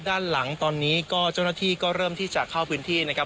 ด้านหลังตอนนี้ก็เจ้าหน้าที่ก็เริ่มที่จะเข้าพื้นที่นะครับ